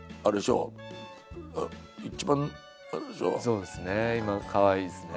そうですね今かわいいですね。